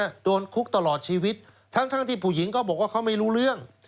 โดนคุกตลอดชีวิตทั้งทั้งที่ผู้หญิงก็บอกว่าเขาไม่รู้เรื่อง